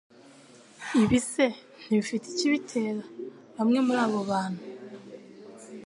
Ibi se ntibifite ikibitera? Bamwe muri abo bantu